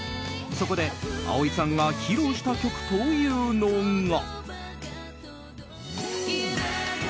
そこで蒼井さんが披露した曲というのが。